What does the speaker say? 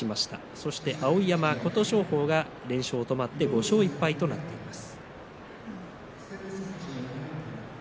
そして碧山と琴勝峰が連勝止まって５勝１敗となっています。